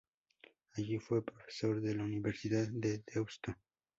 Allí fue profesor de la Universidad de Deusto.